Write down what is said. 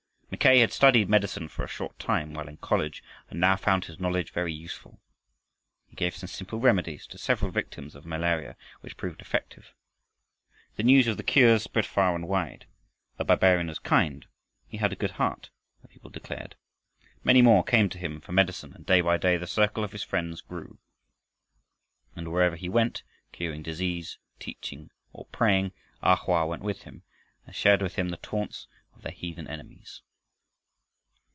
Mackay had studied medicine for a short time while in college, and now found his knowledge very useful. He gave some simple remedies to several victims of malaria which proved effective. The news of the cures spread far and wide. The barbarian was kind, he had a good heart, the people declared. Many more came to him for medicine, and day by day the circle of his friends grew. And wherever he went, curing disease, teaching, or preaching, A Hoa went with him, and shared with him the taunts of their heathen enemies.